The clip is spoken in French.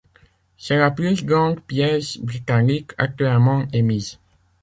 C'est la plus grande pièce britannique actuellement émise.